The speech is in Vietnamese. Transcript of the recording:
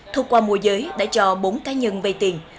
thuộc qua mùa giới đã cho bốn cá nhân vây tiền